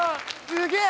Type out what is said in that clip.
すげえ！